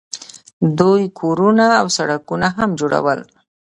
دوی کورونه او سړکونه هم جوړول.